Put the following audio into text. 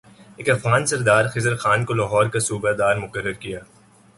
ایک افغان سردار خضر خان کو لاہور کا صوبہ دار مقرر کیا